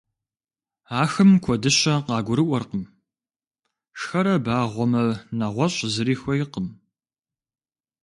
Ахэм куэдыщэ къагурыӀуэркъым, шхэрэ багъуэмэ, нэгъуэщӀ зыри хуейкъым.